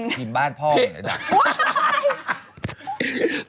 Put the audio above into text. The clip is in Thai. ครีมบ้านพ่อเหมือนกัน